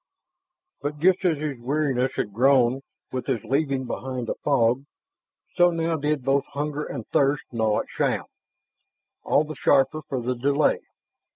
And just as his weariness had grown with his leaving behind the fog, so now did both hunger and thirst gnaw at Shann, all the sharper for the delay.